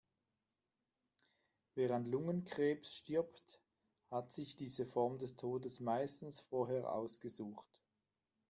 Wer an Lungenkrebs stirbt, hat sich diese Form des Todes meistens vorher ausgesucht.